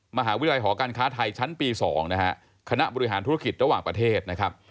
มหาวิทยาลัยหอการค้าไทยชั้นปี๒นะฮะคณะบริหารธุรกิจระหว่างประเทศนะครับ